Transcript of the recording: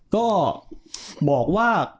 ก็บอกว่า